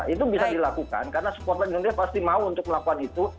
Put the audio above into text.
itu bisa dilakukan karena supporter indonesia pasti mau untuk melakukan itu